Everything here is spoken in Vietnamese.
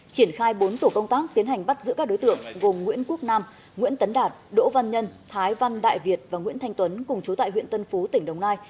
triển khai bốn tổ công tác tiến hành bắt giữ các đối tượng gồm nguyễn quốc nam nguyễn tấn đạt đỗ văn nhân thái văn đại việt và nguyễn thanh tuấn cùng chú tại huyện tân phú tỉnh đồng nai